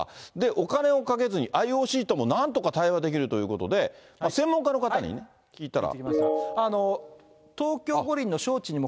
お金をかけずにＩＯＣともなんとか対話ができるということで、専門家の方に聞いたら。